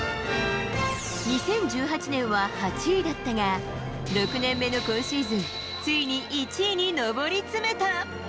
２０１８年は８位だったが、６年目の今シーズン、ついに１位に上り詰めた。